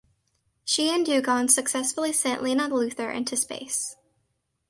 She and Dugan successfully sent Lena Luthor into space.